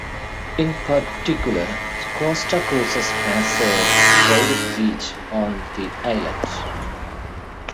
In particular, Costa Cruises has a private beach on the island.